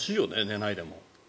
寝ないでも。